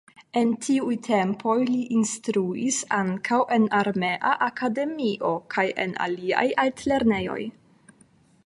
En tiuj tempoj li instruis ankaŭ en armea akademio kaj en aliaj altlernejoj.